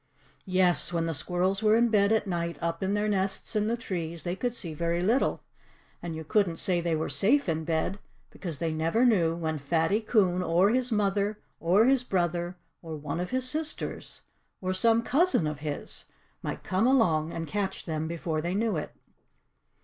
Yes when the squirrels were in bed at night, up in their nests in the trees, they could see very little. And you couldn't say they were SAFE in bed, because they never knew when Fatty Coon, or his mother, or his brother, or one of his sisters, or some cousin of his, might come along and catch them before they knew it.